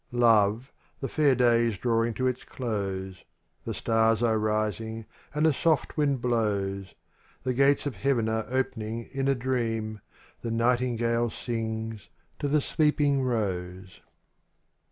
jOVE, the fair day is drawing to its close. The stars are rising and a soft wind blows. The gates of heaven are opening in a dream. The nightingale sings to the sleeping rose.